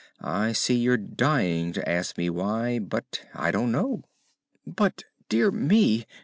I see you're dying to ask me why. But I don't know." "But dear me!